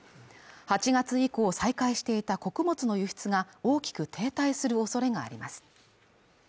８月以降再開していた穀物の輸出が大きく停滞する恐れがあります